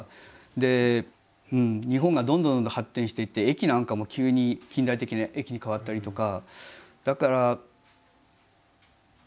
で日本がどんどんどんどん発展していって駅なんかも急に近代的な駅に変わったりとか。